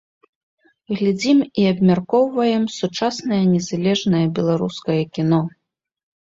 Глядзім і абмяркоўваем сучаснае незалежнае беларускае кіно.